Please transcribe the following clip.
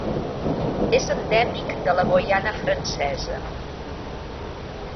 És endèmic de la Guyana francesa.